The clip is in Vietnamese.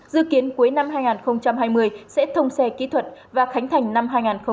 dự kiến cuối năm hai nghìn hai mươi sẽ thông xe kỹ thuật và khánh thành năm hai nghìn hai mươi một